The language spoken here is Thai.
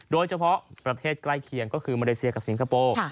โดยเฉพาะประเทศใกล้เคียงก็คือมาเลเซียกับสิงคโปร์